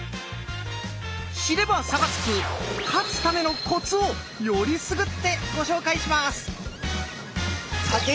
知れば差がつく「勝つためのコツ」をよりすぐってご紹介します！